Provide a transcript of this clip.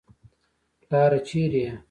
پلاره چېرې يې.